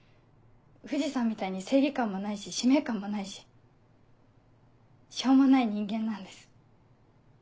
藤さんみたいに正義感もないし使命感もないししょうもない人間なんです。